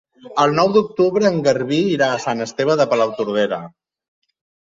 El nou d'octubre en Garbí irà a Sant Esteve de Palautordera.